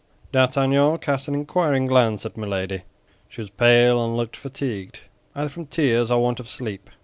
D'Artagnan cast an inquiring glance at Milady. She was pale, and looked fatigued, either from tears or want of sleep.